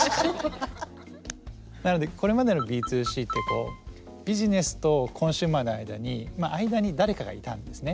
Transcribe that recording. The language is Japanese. なのでこれまでのＢ２Ｃってビジネスとコンシューマーの間に誰かがいたんですね。